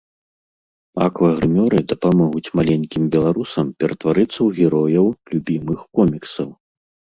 Аквагрымёры дапамогуць маленькім беларусам ператварыцца ў герояў любімых коміксаў.